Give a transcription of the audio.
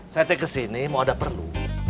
saya tek ke sini mau ada perlu